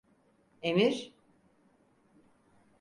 Emir…